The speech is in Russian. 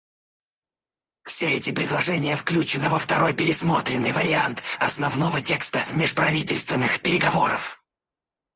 Все эти предложения включены во второй пересмотренный вариант основного текста межправительственных переговоров.